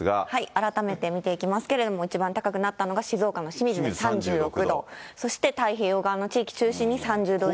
改めて見ていきますけれども、一番高くなったのが静岡の清水で３６度、そして太平洋側の地域中心に３０度以上。